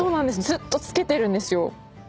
ずっと着けてるんですよ。